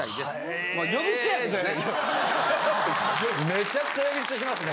めちゃくちゃ呼び捨てしてますね。